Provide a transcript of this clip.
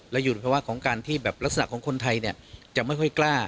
และอยู่ในภาวะของการที่แบบลักษณะของคนไทยเนี่ยจะไม่ค่อยกล้า